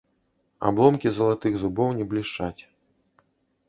Абломкі залатых зубоў не блішчаць.